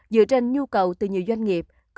dựa trên nhu cầu từ nhiều doanh nghiệp